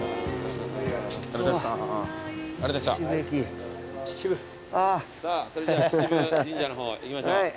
さぁそれじゃあ秩父神社の方行きましょう。